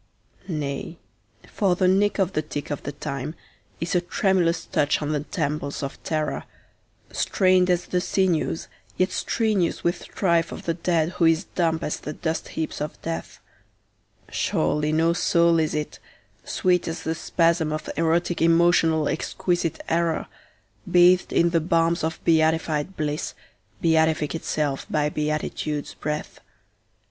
Nay, for the nick of the tick of the time is a tremulous touch on the temples of terror, Strained as the sinews yet strenuous with strife of the dead who is dumb as the dust heaps of death; Surely no soul is it, sweet as the spasm of erotic emotional exquisite error, Bathed in the balms of beatified bliss, beatific itself by beatitude's breath.